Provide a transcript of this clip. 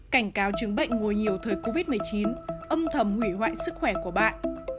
cảnh cáo chứng bệnh ngồi nhiều thời covid một mươi chín âm thầm hủy hoại sức khỏe của bạn